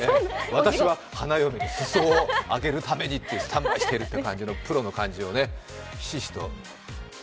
私は花嫁の裾を上げるためにスタンバイしてるってプロの感じをね、ひしひしと。